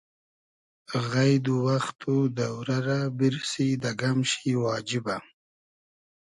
غݷد و وئخت و دۆرۂ رۂ بیرسی دۂ گئم شی واجیبۂ